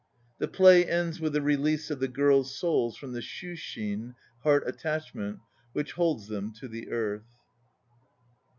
The play ends with the release of the girls' souls from the slwshin, "heart attachment," which holds them to the earth.